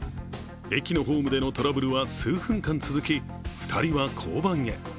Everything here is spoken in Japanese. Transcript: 駅のホームでのトラブルは数分間続き、２人は交番へ。